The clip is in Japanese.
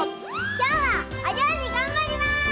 きょうはおりょうりがんばります！